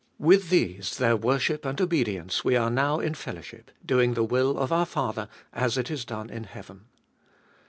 With these, their worship and obedience, we are now in fellowship, doing the will of our Father as it is done in heaven.